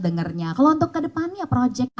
dengarnya kalau untuk ke depan ya project